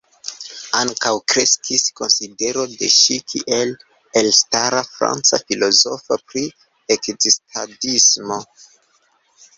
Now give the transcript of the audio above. Ankaŭ kreskis konsidero de ŝi kiel elstara franca filozofo pri ekzistadismo.